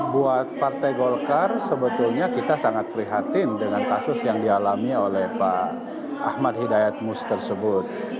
buat partai golkar sebetulnya kita sangat prihatin dengan kasus yang dialami oleh pak ahmad hidayat mus tersebut